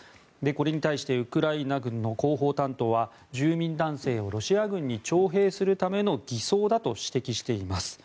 これに対して、ウクライナ軍の広報担当は住民男性をロシア軍に徴兵するための偽装だと指摘しています。